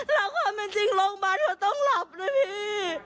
แล้วก็มันจริงโรงพยาบาลเค้าต้องหลับนะพี่